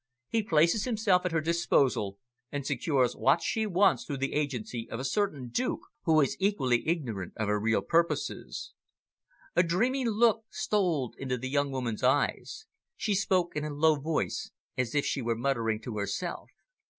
He places himself at her disposal, and secures what she wants through the agency of a certain Duke who is equally ignorant of her real purposes." A dreamy look stole into the young woman's eyes. She spoke in a low voice, as if she were muttering to herself.